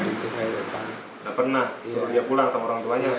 tidak pernah disuruh dia pulang sama orang tuanya